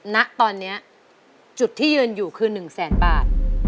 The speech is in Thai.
นักตอนนี้จุดที่เยือนอยู่คือหนึ่งแสนบาท